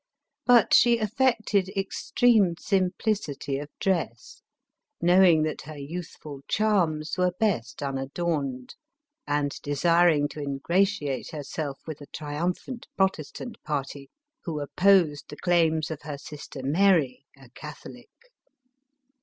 But she affected extreme simplicity of dress, knowing that her youthful charms were best unadorned, and de siring to ingratiate herself with the triumphant Protes tant party, who opposed the claims of her sister Mary, a Catholic.